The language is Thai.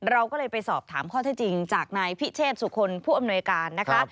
เราก็เลยไปสอบถามข้อเท็จจริงจากนายพิเชษสุคลผู้อำนวยการนะคะ